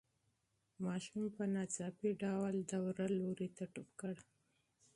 ماشوم په ناڅاپي ډول د دروازې لوري ته ټوپ کړ.